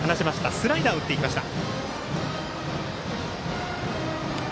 スライダーを打っていきました。